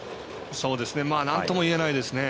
なんとも言えないですね。